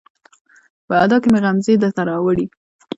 په ادا کې مې غمزې درته راوړي